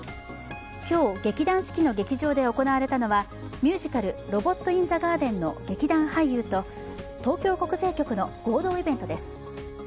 今日、劇団四季の劇場で行われたのはミュージカル「ロボット・イン・ザ・ガーデン」の劇団俳優と東京国税局の合同イベントです。